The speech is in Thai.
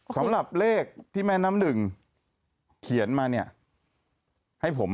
สำหรับเลขที่แม่น้ำหนึ่งเขียนมาเนี่ยให้ผม